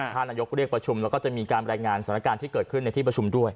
นายกเรียกประชุมแล้วก็จะมีการรายงานสถานการณ์ที่เกิดขึ้นในที่ประชุมด้วย